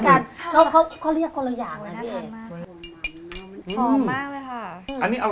เขาเรียกคนละอย่าง